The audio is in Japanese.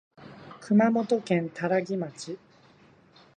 熊本県多良木町